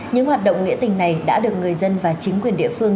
những hoạt động nghĩa tình này đã được người dân và chính quyền địa phương